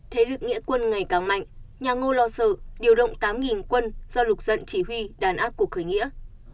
thế lực nghĩa quân ngày càng mạnh nhà ngô lo sợ điều động tám quân do lục dận chỉ huy đàn áp cuộc khởi nghĩa